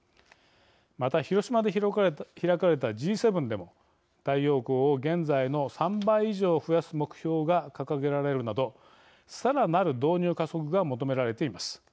また広島で開かれたＧ７でも太陽光を現在の３倍以上増やす目標が掲げられるなどさらなる導入加速が求められています。